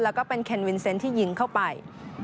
แล้วก็เป็นเคนวินเซนต์ที่ยิงเข้าไป